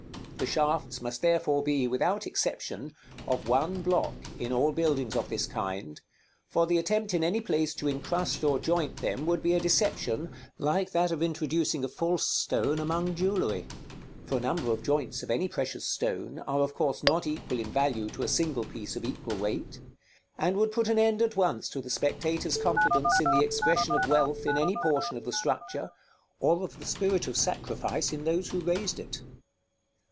The shafts must therefore be, without exception, of one block in all buildings of this kind; for the attempt in any place to incrust or joint them would be a deception like that of introducing a false stone among jewellery (for a number of joints of any precious stone are of course not equal in value to a single piece of equal weight), and would put an end at once to the spectator's confidence in the expression of wealth in any portion of the structure, or of the spirit of sacrifice in those who raised it.